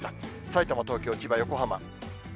さいたま、東京、千葉、横浜。